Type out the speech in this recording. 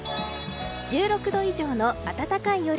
１６度以上の暖かい夜。